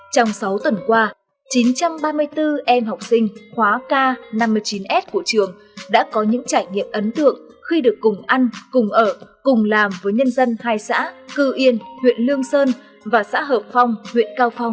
trong sáu tuần qua chín trăm ba mươi bốn em học sinh khóa k năm mươi chín s của trường đã có những trải nghiệm ấn tượng khi được cùng ăn cùng ở cùng làm với nhân dân hai xã cư yên huyện lương sơn và xã hợp phong huyện cao phong